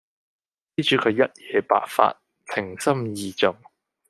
施主佢一夜白髮，情深義重